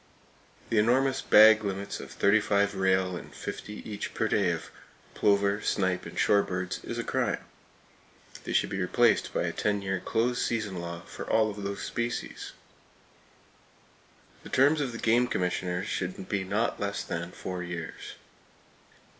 The enormous bag limits of 35 rail and 50 each per day of plover, snipe and shore birds is a crime! They should be replaced by a ten year close season law for all of those species. The terms of the game commissioners should be not less than four years.